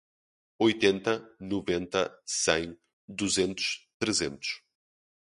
Oitenta, noventa, cem, duzentos, trezentos